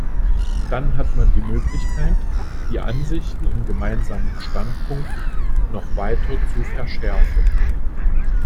Dann hat man die Möglichkeit, die Ansichten im Gemeinsamen Standpunkt noch weiter zu verschärfen.